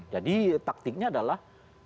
jadi taktiknya adalah